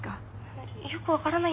よく分からないんです。